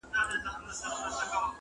د تور شیطان د جهل او سوځلي -